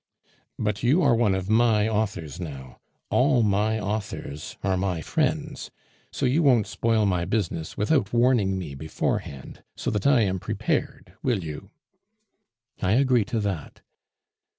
"But you are one of my authors now. All my authors are my friends. So you won't spoil my business without warning me beforehand, so that I am prepared, will you?" "I agree to that."